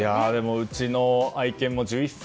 うちの愛犬も１１歳。